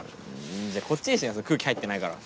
じゃあこっちにしなそれ空気入ってないから。